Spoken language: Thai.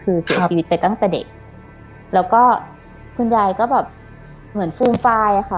คือเสียชีวิตไปตั้งแต่เด็กแล้วก็คุณยายก็แบบเหมือนฟูมฟายอะค่ะ